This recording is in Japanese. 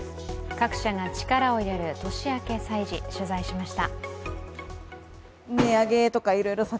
各社が力を入れる年明け催事取材しました。